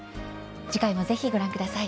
次回もぜひ、ご覧ください。